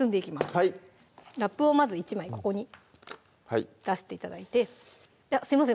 はいラップをまず１枚ここに出して頂いてすいません